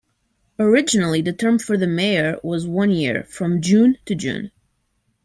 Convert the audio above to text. Originally the term for the mayor was one year, from June to June.